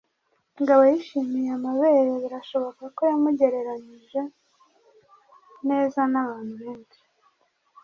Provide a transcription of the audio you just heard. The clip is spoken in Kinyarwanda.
Mugabo yishimiye amabere - birashoboka ko yamugereranije neza nabagabo benshi.